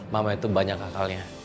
mama itu banyak akalnya